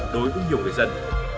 đối với nhiều người dân